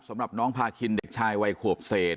สำหรับน้องพาคินเด็กชายวัยขวบเศษ